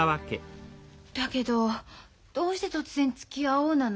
だけどどうして突然「つきあおう」なの？